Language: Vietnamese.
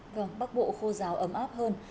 vâng bắc bộ khô rào ấm áp hơn